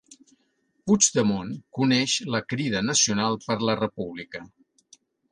Puigdemont coneix la Crida Nacional per la República